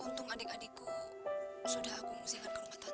untung adik adikku sudah aku musikan ke rumah tante